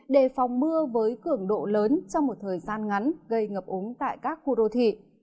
đề phòng mưa với cường độ lớn trong một thời gian ngắn gây ngập ống tại các khu đô thị